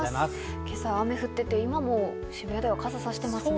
今朝は雨が降っていて、今も渋谷では傘をさしていますね。